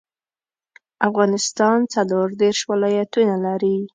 افغانستان څلوردیرش ولایاتونه لري